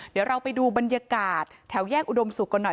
เดี๋ยวเราไปดูบรรยากาศแถวแยกอุดมศุกร์กันหน่อย